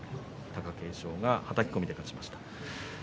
貴景勝がはたき込みで勝ちました。